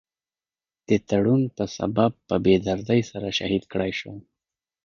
د تړون پۀ سبب پۀ بي دردۍ سره شهيد کړے شو ۔